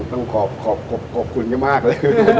ต้องขอบคุณไปกล้าบเลย